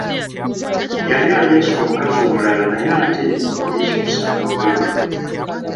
Yali aleese omukazi omulala naye ate ne yeekyusa n'amugoba.